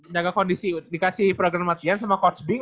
jaga kondisi dikasih program matian sama coach bing